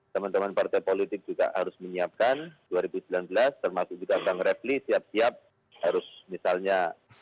teman teman partai politik juga harus menyiapkan dua ribu sembilan belas termasuk juga bang refli siap siap harus misalnya